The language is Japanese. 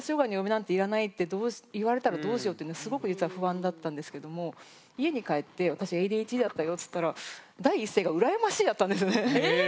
言われたらどうしようってすごく実は不安だったんですけども家に帰って私ＡＤＨＤだったよって言ったら第一声が「羨ましい」だったんですよね。